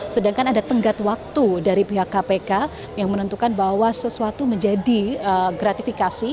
sedangkan ada tenggat waktu dari pihak kpk yang menentukan bahwa sesuatu menjadi gratifikasi